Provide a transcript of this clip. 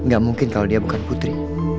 gak mungkin kalau dia bukan putri